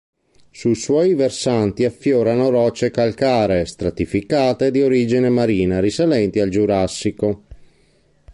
Sui suoi versanti affiorano rocce calcaree, stratificate, di origine marina risalenti al Giurassico.